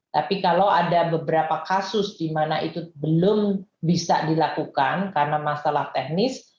tapi kalau ada beberapa kasus di mana itu belum bisa dilakukan karena masalah teknis